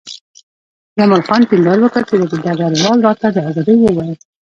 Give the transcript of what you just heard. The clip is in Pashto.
جمال خان ټینګار وکړ چې ډګروال راته د ازادۍ وویل